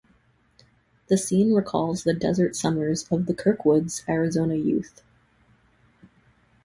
The scene recalls the desert summers of the Kirkwoods' Arizona youth.